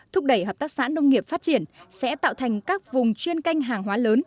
thúc đẩy hợp tác xã nông nghiệp phát triển sẽ tạo thành các vùng chuyên canh hàng hóa lớn